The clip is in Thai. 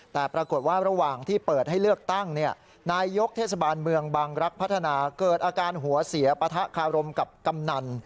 แต่ปรากฏว่าระหว่างที่เปิดให้เลือกตั้งนายยกเทศบาลเมืองบางรักพัฒนาเกิดอาการหัวเสียปะทะคารมกับกำนัน